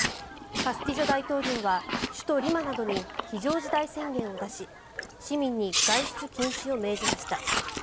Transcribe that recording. カスティジョ大統領は首都リマなどに非常事態宣言を出し市民に外出禁止を命じました。